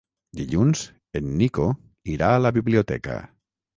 Dilluns en Nico irà a la biblioteca.